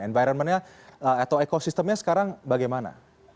environmentnya atau ekosistemnya sekarang bagaimana